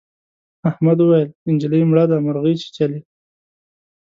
احمد وويل: نجلۍ مړه ده مرغۍ چیچلې.